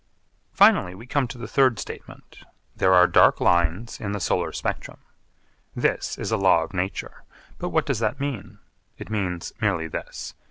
Finally, we come to the third statement, 'There are dark lines in the Solar Spectrum.' This is a law of nature. But what does that mean? It means merely this.